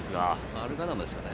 アルガナムですかね？